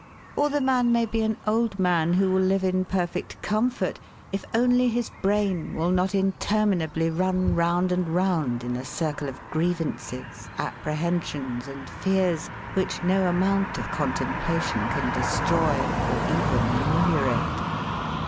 Or the man may be an old man who will live in perfect comfort if only his brain will not interminably run round and round in a circle of grievances, apprehensions, and fears which no amount of contemplation can destroy or even ameliorate.